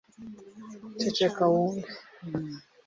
ceceka wumve